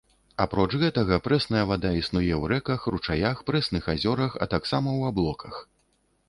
Апроч гэтага, прэсная вада існуе ў рэках, ручаях, прэсных азёрах, а таксама ў аблоках.